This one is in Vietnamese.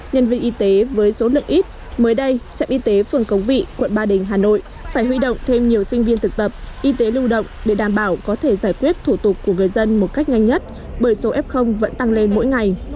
nhân viên y tế với số lượng ít mới đây trạm y tế phường cầu vị quận ba đình hà nội phải huy động thêm nhiều sinh viên thực tập y tế lưu động để đảm bảo có thể giải quyết thủ tục của người dân một cách nhanh nhất bởi số f vẫn tăng lên mỗi ngày